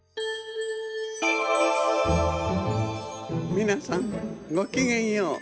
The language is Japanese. みなさんごきげんよう。